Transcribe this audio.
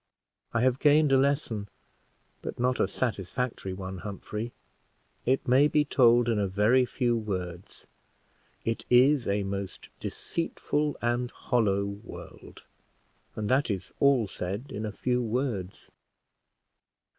I have gained a lesson, but not a satisfactory one, Humphrey; it may be told in a very few words. It is a most deceitful and hollow world! and that is all said in a few words."